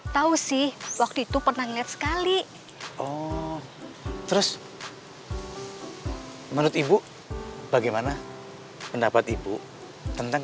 tahu sih waktu itu pernah ngeliat sekali oh terus menurut ibu bagaimana pendapat ibu tentang